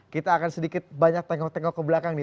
kita akan sedikit banyak tengok tengok ke belakang nih